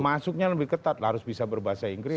masuknya lebih ketat harus bisa berbahasa inggris